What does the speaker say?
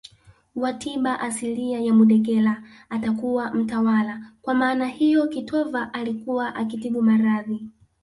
wa tiba asilia na mudegela atakuwa mtawala kwa maana hiyo kitova alikuwa akitibu maradhi